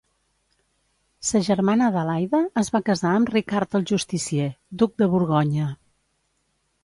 Sa germana Adelaida es va casar amb Ricard el Justicier, duc de Borgonya.